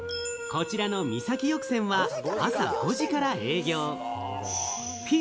こちらの、みさき浴泉は朝５時から営業。